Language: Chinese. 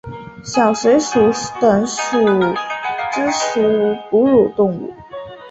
小水鼠属等之数种哺乳动物。